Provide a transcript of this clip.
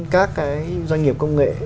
các cái doanh nghiệp công nghệ